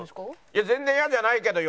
いや全然嫌じゃないけど。